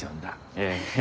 ええ。